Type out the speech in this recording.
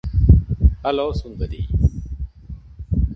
hello Sundari